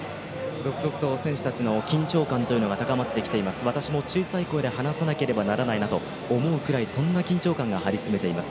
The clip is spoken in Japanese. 続々と選手たちの緊張感というのが高まってきています、私も小さい声で話さなければと思うぐらい緊張感が張り詰めています。